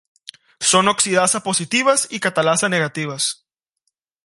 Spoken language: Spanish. Son oxidasa positivas y catalasa negativas.